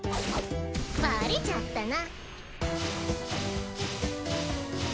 バレちゃったナ。